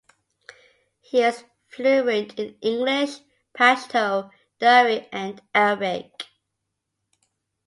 He is fluent in English, Pashto, Dari and Arabic.